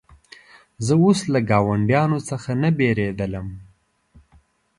زه اوس له ګاونډیانو څخه نه بېرېدلم.